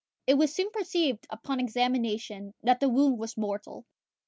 It was soon perceived, upon examination, that the wound was mortal.